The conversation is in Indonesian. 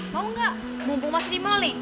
mau gak mumpung mas rimoly